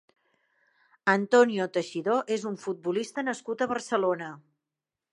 Antonio Teixidó és un futbolista nascut a Barcelona.